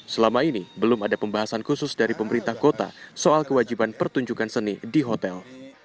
selama ini belum ada pembahasan khusus dari pemerintah kota soal kewajiban pertunjukan seni di hotel